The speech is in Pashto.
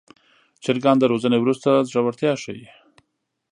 چرګان د روزنې وروسته زړورتیا ښيي.